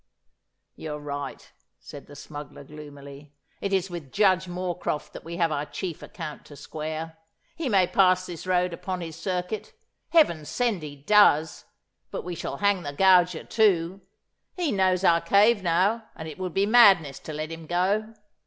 'You are right,' said the smuggler gloomily. 'It is with Judge Moorcroft that we have our chief account to square. He may pass this road upon his circuit. Heaven send he does! But we shall hang the gauger too. He knows our cave now, and it would be madness to let him go.